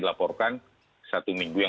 jadi manusia juga mer freshman